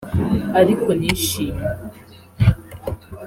Ariko nishimye